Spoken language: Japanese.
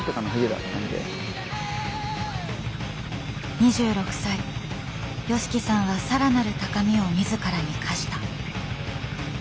２６歳ＹＯＳＨＩＫＩさんはさらなる高みを自らに課した。